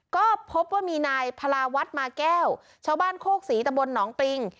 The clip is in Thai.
ก็พบว่ามีนายพลาวัฒน์มาแก้วชาวบ้านโคกศรีตะบนหนองปริง